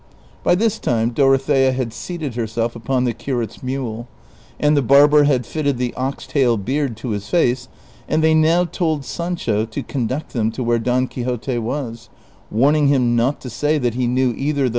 By this time Dorothea had seated herself upon the curate's mule, and the barber had fitted the ox tail beard to his face, and they now told Sancho to conduct them to where Don Quixote was, warning him not to say that he knew either the CHAPTER XXIX.